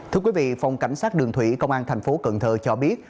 thưa quý vị phòng cảnh sát đường thủy công an thành phố cần thơ cho biết